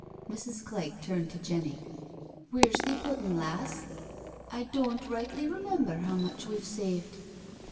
Mrs. Clegg turned to Jenny. Wheer's thee put un, lass? I doan't rightly remember how much we've saved."